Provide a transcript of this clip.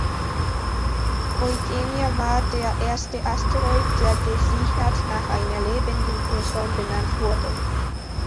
Eugenia war der erste Asteroid, der gesichert nach einer lebenden Person benannt wurde.